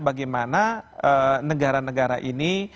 bagaimana negara negara ini